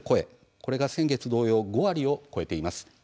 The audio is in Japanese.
これが先月同様５割を超えています。